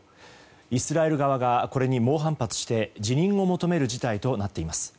イスラエル側がこれに猛反発して辞任を求める事態となっています。